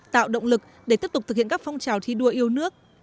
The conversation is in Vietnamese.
tạo động lực để tiếp tục thực hiện các phong trào thi đua yêu nước